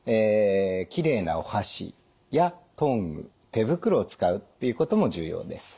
きれいなお箸やトング手袋を使うっていうことも重要です。